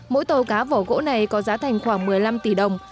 mỗi tàu cá vỏ gỗ này có giá thành khoảng một mươi năm tỷ đồng